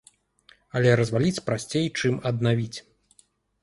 Але разваліць прасцей, чым аднавіць.